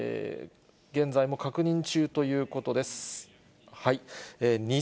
現在も確認中ということです。